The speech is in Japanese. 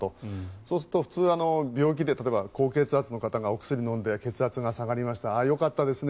そうすると普通、病気で例えば高血圧の方がお薬を飲んで血圧が下がりましたああ、よかったですね